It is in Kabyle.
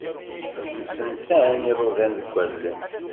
Msentan iḍudan deg allen.